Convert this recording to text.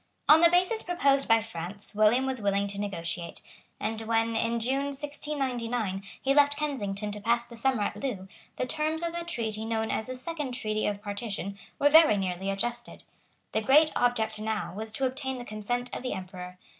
On the basis proposed by France William was willing to negotiate; and, when, in June 1699, he left Kensington to pass the summer at Loo, the terms of the treaty known as the Second Treaty of Partition were very nearly adjusted. The great object now was to obtain the consent of the Emperor.